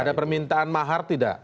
ada permintaan mahar tidak